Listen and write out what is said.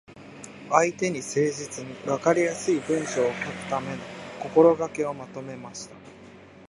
相手に誠実に、わかりやすい文章を書くための心がけをまとめました。